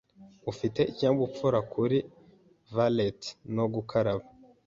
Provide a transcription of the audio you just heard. ufite ikinyabupfura kuri valet no gukaraba